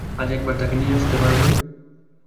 আজ একবার তাঁকে নিয়ে আসতে পারবে?